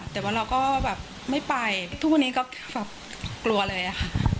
แต่ว่าเราก็แบบไม่ไปทุกวันนี้ก็แบบกลัวเลยค่ะ